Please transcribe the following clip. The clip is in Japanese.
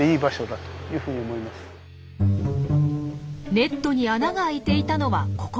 ネットに穴が開いていたのはここ。